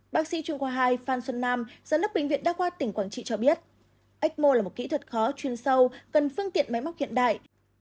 bác sĩ chuyên khoa hai phan xuân nam do nước bệnh viện đắc hoa tỉnh quảng trị cho biết ecmo là một kỹ thuật khó chuyên sâu cần phương tiện máy móc hiện đại